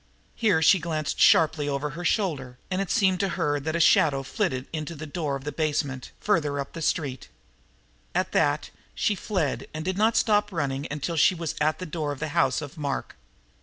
Here she glanced sharply over her shoulder, and it seemed to her that a shadow flitted into the door of a basement, farther up the street. At that she fled and did not stop running until she was at the door of the house of Mark.